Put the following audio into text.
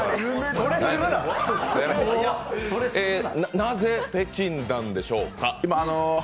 なぜ北京なんでしょうか？